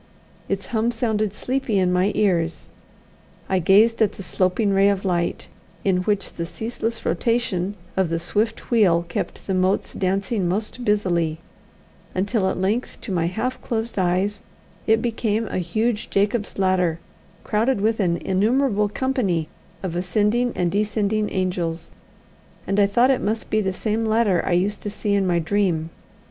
Its hum sounded sleepy in my ears. I gazed at the sloping ray of light, in which the ceaseless rotation of the swift wheel kept the motes dancing most busily, until at length to my half closed eyes it became a huge Jacob's ladder, crowded with an innumerable company of ascending and descending angels, and I thought it must be the same ladder I used to see in my dream.